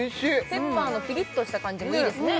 ペッパーのピリッとした感じもいいですね